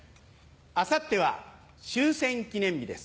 あさっては終戦記念日です。